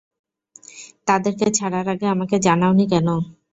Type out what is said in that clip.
তাদেরকে ছাড়ার আগে আমাকে জানাওনি কেন?